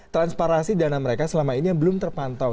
transparansi dana mereka selama ini yang belum terpantau